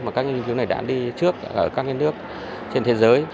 mà các nghiên cứu này đã đi trước ở các nước trên thế giới